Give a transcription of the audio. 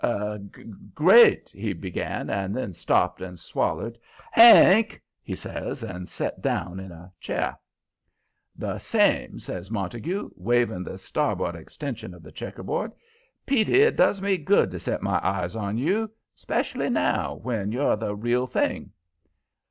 "Great " he began, and then stopped and swallered. "HANK!" he says, and set down in a chair. "The same," says Montague, waving the starboard extension of the checkerboard. "Petey, it does me good to set my eyes on you. Especially now, when you're the real thing."